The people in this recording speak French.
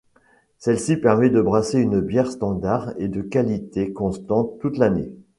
Celle-ci permet de brasser une bière standard et de qualité constante toute l'année.